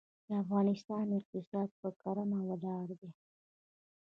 د افغانستان اقتصاد په کرنه ولاړ دی.